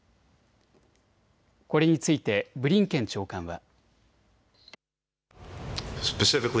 これについてブリンケン長官は。